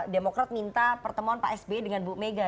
demokrat minta pertemuan pak sby dengan bu mega